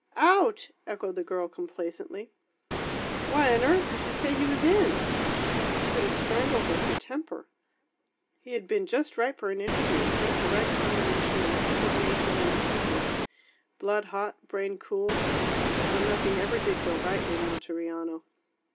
"Out," echoed the girl complacently. "Why on earth did you say he was in?" He could have strangled her for temper. He had been just ripe for an interview just the right combination of indignation and acuteness: blood hot, brain cool. But nothing ever did go right in Monteriano.